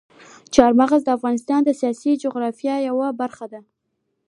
چار مغز د افغانستان د سیاسي جغرافیې یوه برخه ده.